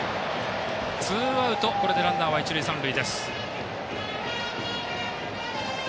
ツーアウト、ランナーは一塁三塁。